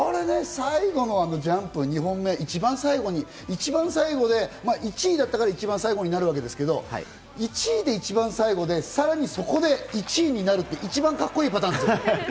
最後のジャンプ２本目、一番最後で１位だったから一番最後になるわけですけど、１位で一番最後でさらにそこで１位になるって一番、カッコいいパターンですよね。